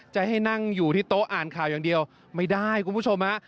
จะให้นั่งอยู่ที่โต๊ะอ่านข่าวอย่างเดียวไม่ได้คุณผู้ชมฮะ